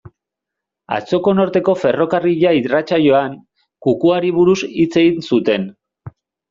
Atzoko Norteko Ferrokarrila irratsaioan, kukuari buruz hitz egin zuten.